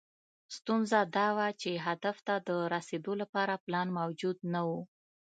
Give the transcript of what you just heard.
ستونزه دا وه چې هدف ته د رسېدو لپاره پلان موجود نه و.